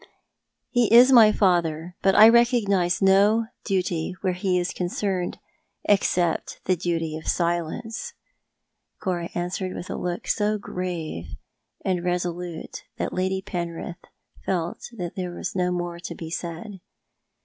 " He is my father ; but I recognise no duty where he is con cerned—except the duty of silence," Cora answered, with a look so grave and resolute that Lady Penrith felt that there was no more to be said.